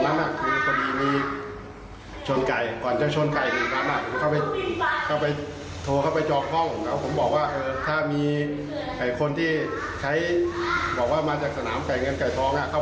แล้วทีนี้เห็นว่าพนักงานเขาบอกว่าไม่ให้เข้า